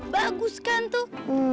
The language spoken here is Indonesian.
bagus kan tuh